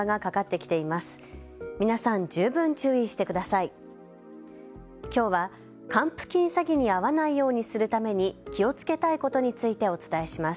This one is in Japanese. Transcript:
きょうは還付金詐欺に遭わないようにするために気をつけたいことについてお伝えします。